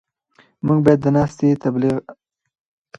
موږ باید د ناسم تبلیغاتو مخه ونیسو.